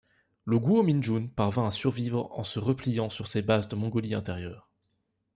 Le Guominjun parvint à survivre en se repliant sur ses bases de Mongolie-Intérieure.